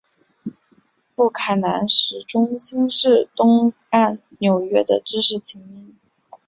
布坎南始终轻视东岸纽约的知识菁英。